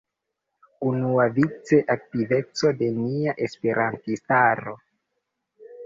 Unuavice aktiveco de nia esperantistaro.